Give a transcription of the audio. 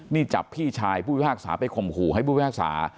นี่จับพี่ชายผู้พิพากษาไปข่มขู่ให้ผู้พิพากษา